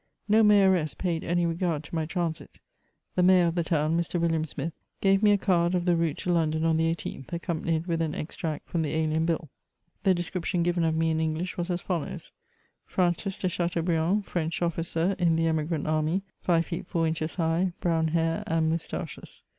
No mayoress paid any regard to my transit ; the mayor of the town, Mr. William Smith, gave me a card of the route to Lon don on the 18th, accompanied with an extract from the Alien Bill. The description given of me in English was as follows :— Francis de Chateaubriand^ French officer in the Emigrant army, Jive feet four inches high, brown hair and moustaches.